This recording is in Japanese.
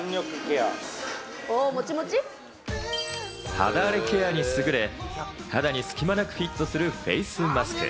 肌荒れケアにすぐれ、肌に隙間なくフィットするフェイスマスク。